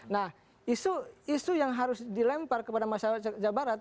nah isu yang harus dilempar kepada masyarakat jawa barat